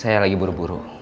saya lagi buru buru